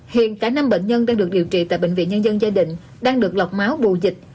hiện cả năm bệnh nhân đang được điều trị tại bệnh viện nhân dân giai định đang được lọc máu bù dịch